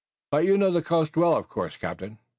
"But you know the coast well, of course, captain?"